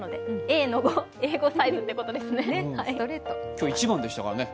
今日１番でしたからね。